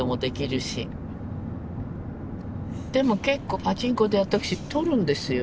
でも結構パチンコで私取るんですよ。